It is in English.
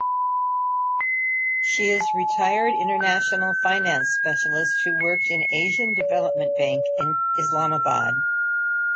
She is retired international finance specialist who worked in Asian Development Bank in Islamabad.